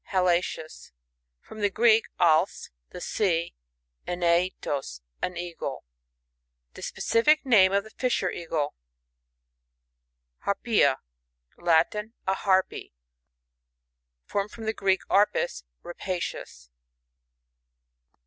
HALiiETus. — From the Greek, aZs, the sea, and aietos, an eagle. The specific name of the Fisher Eagle. Harptia4— Latin. A harpy. (Formed from the Greek, arpax, rapacious.)